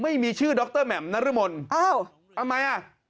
ไม่มีชื่อดรแหม่มนั้นหรือมนเอ้าเอาไม่อ่ะ